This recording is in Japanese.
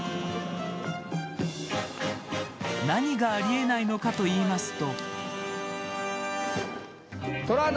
何がありえないのかといいますと。